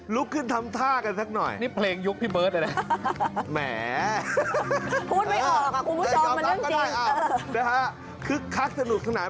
ลุกขึ้นทำท่ากันสักหน่อยนี่เพลงยุคพี่เบิร์ตเลยนะ